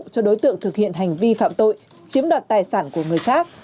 cho đối tượng thực hiện hành vi phạm tội chiếm đoạt tài sản của người khác